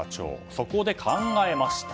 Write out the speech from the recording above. そこで考えました。